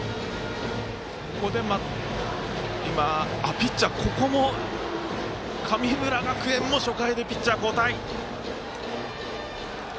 ピッチャー、神村学園も初回でピッチャー交代。